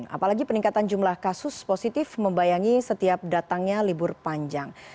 apalagi peningkatan jumlah kasus positif membayangi setiap datangnya libur panjang